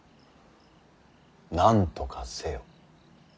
なんとかせよ。